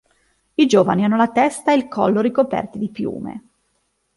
I giovani hanno la testa e il collo ricoperti di piume.